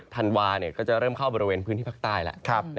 ธันวาก็จะเริ่มเข้าบริเวณพื้นที่ภาคใต้แล้ว